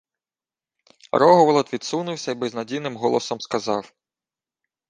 Рогволод відсунувся й безнадійним голосом сказав: